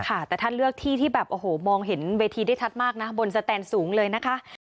ค่ะแต่ท่านเลือกที่ที่แบบโอ้โหมองเห็นเวทีได้ชัดมากนะบนสแตนสูงเลยนะคะ